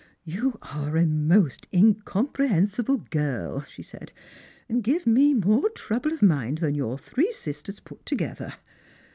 " You are a most incomprehensible girl," she said, "and give me more trouble of mind than your three sisters put together